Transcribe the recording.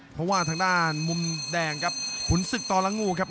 เพราะว่าทางด้านมุมแดงครับขุนศึกต่อละงูครับ